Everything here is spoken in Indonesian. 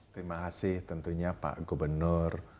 terima kasih tentunya pak gubernur